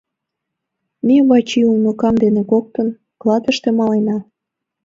— Ме Вачи уныкам дене коктын клатыште малена.